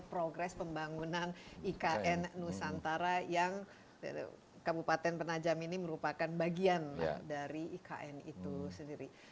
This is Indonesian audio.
progres pembangunan ikn nusantara yang kabupaten penajam ini merupakan bagian dari ikn itu sendiri